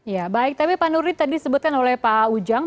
ya baik tapi pak nurdi tadi disebutkan oleh pak ujang